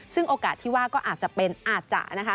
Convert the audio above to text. ซึ่งโอกาสที่ว่าก็อาจจะเป็นอาจจะนะคะ